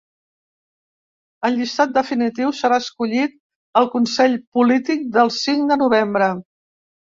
El llistat definitiu serà escollit al consell polític del cinc de novembre.